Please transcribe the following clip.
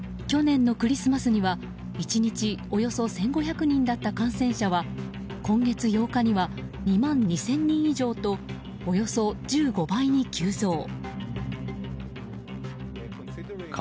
去年のクリスマスには１日およそ１５００人だった感染者は、今月８日には２万２０００人以上とおよそ１５倍に急増。